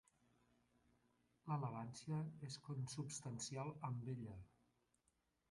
L'elegància és consubstancial amb ella.